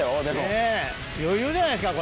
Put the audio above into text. ねぇ余裕じゃないですか？